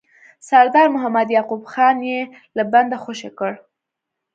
سردار محمد یعقوب خان یې له بنده خوشي کړ.